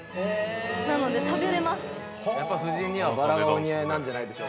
なので、食べれます。